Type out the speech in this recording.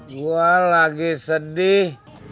gua lagi sedih